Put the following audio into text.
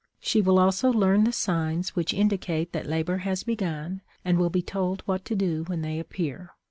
She will also learn the signs which indicate that labor has begun and will be told what to do when they appear.